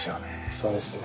そうですね。